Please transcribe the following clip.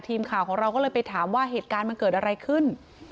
ทีมข่าวของเราก็เลยไปถามว่าเหตุการณ์มันเกิดอะไรขึ้น